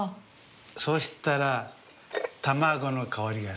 そしたら卵の香りがします。